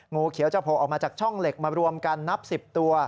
งูเขียวจะโผล่ออกมาจากช่องเหล็กมารวมกันนับ๑๐ตัว